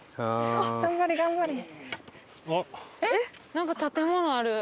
なんか建物ある。